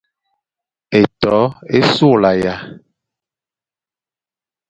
Étô é sughlana.